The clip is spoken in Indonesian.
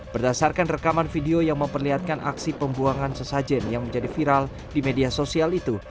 berdasarkan rekaman video yang memperlihatkan aksi pembuangan sesajen yang menjadi viral di media sosial itu